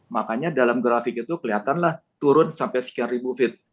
makanya dalam grafik itu kelihatanlah turun sampai sekian ribu feet